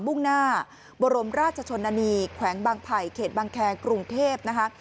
มุ่งหน้าบรมราชชนนานีแขวงบางไผ่เขตบางแครกรุงเทพนะคะ